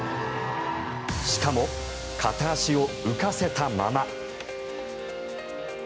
しかも、片足を浮かせたまま。